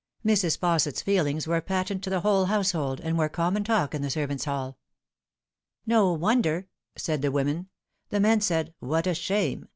Mrs. Fausset's feelings were patent to the whole household, and were common talk in the servants' hall. " No wonder," said the women ; the men said " What a shame